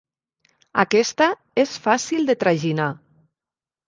Aquesta és fàcil de traginar.